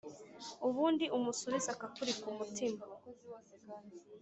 ubundi umusubize akakuri ku mutima.